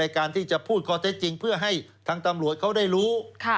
การที่จะพูดข้อเท็จจริงเพื่อให้ทางตำรวจเขาได้รู้